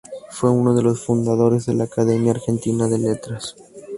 Fue uno de los fundadores de la Academia Argentina de Letras.